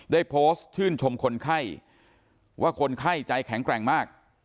ได้โพสต์ชื่นชมคนไข้ว่าคนไข้ใจแข็งแกร่งมาก